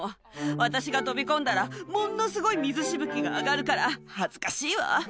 私が飛び込んだら、ものすごい水しぶきが上がるから恥ずかしいわ。